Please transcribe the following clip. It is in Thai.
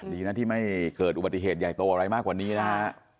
ดีนะที่ไม่เกิดอุบัติเหตุใหญ่โตอะไรมากกว่านี้นะฮะ